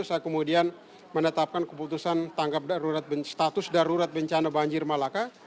saya kemudian menetapkan keputusan tangkap status darurat bencana banjir malaka